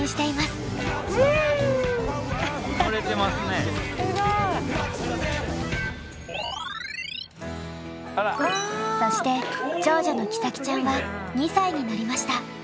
すごい！そして長女の希咲ちゃんは２歳になりました。